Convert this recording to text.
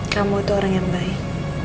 kamu itu orang yang baik